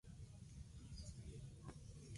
Fue representada interpretando a Lady Macbeth.